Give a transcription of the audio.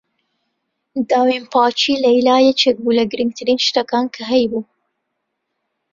داوێنپاکیی لەیلا یەکێک بوو لە گرنگترین شتەکان کە هەیبوو.